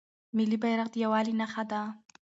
ملي بیرغ د یووالي نښه ده.